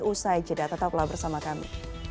usai jeda tetaplah bersama kami